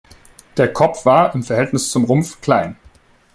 Der Kopf war, im Verhältnis zum Rumpf, klein.